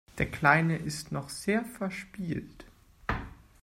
Der Kleine ist noch sehr verspielt.